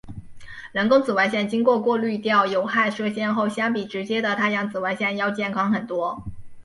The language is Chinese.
人工紫外线经过过滤掉有害射线后相比直接的太阳紫外线要健康很多。